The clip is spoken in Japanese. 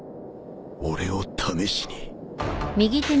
俺を試しに